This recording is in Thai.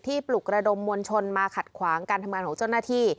ปลุกระดมมวลชนมาขัดขวางการทำงานของเจ้าหน้าที่